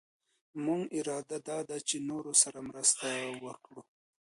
زمونږ اراده دا ده چي د نورو سره مرسته وکړو.